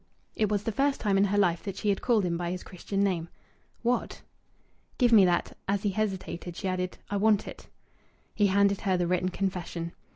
It was the first time in her life that she had called him by his Christian name. "What?" "Give me that." As he hesitated, she added, "I want it." He handed her the written confession.